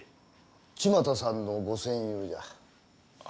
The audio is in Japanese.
千万太さんのご戦友じゃ。